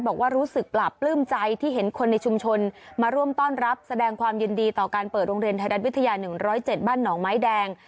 บอกว่ารู้สึกปราบปลื้มใจที่เห็นคนในชุมชนมาร่วมต้อนรับแสดงความยินดีต่อการเปิดโรงเรียนไทยรัฐวิทยา๑๐๗บ้านหนองไม้แดง